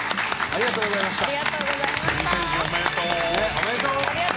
ありがとうございます。